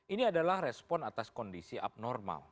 ini adalah respon atas kondisi abnormal